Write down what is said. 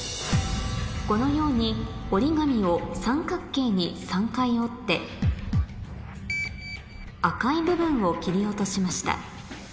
このように折り紙を三角形に３回折って赤い部分を切り落としました